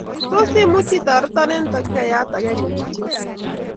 Tos imuchi itoreton eng' takikayat akenge kityok ii?